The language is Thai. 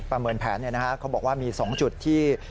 เมินแผนเขาบอกว่ามี๒จุดที่